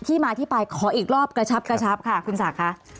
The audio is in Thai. รถที่มาที่ไปขออีกรอบกระชับค่ะคุณศากค่ะ